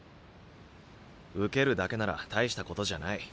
受けるだけなら大したことじゃない。